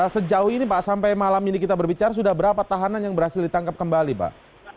sejauh ini pak sampai malam ini kita berbicara sudah berapa tahanan yang berhasil ditangkap kembali pak